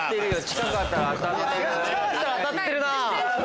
近かったら当たってるよ。